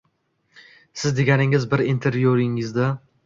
Siz degandingiz bir intervyungizda…